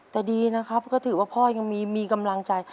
แต่ดีนะครับก็ถือว่าพ่อยังมีกำลังใจ